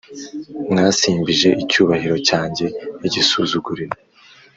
Mwasimbje icyubahiro cyanjye igisuzuguriro